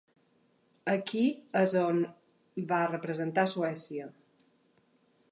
Aquí és on va representar Suècia.